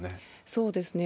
そうですね。